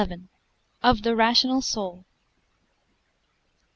IX.—_Of the Rational Soul.